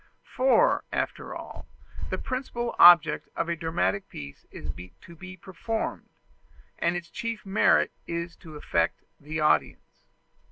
For, after all, the principal object of a dramatic piece is to be performed, and its chief merit is to affect the audience.